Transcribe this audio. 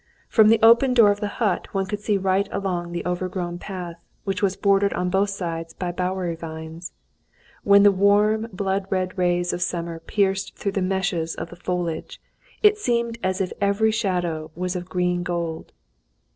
From the open door of the hut one could see right along the overgrown path, which was bordered on both sides by bowery vines. When the warm blood red rays of summer pierced through the meshes of the foliage, it seemed as if every shadow was of green gold.